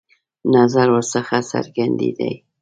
نظر ورڅخه څرګندېدی.